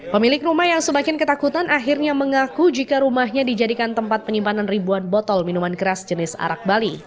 pemilik rumah yang semakin ketakutan akhirnya mengaku jika rumahnya dijadikan tempat penyimpanan ribuan botol minuman keras jenis arak bali